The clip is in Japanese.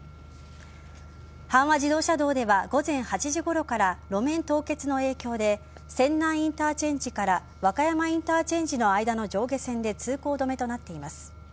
阪和自動車道では午前８時ごろから路面凍結の影響で泉南インターチェンジから和歌山インターチェンジの間の上下線で通行止めとなっています。